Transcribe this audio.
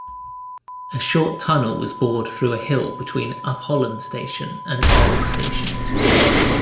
A short tunnel was bored through a hill between Upholland station and Orrell station.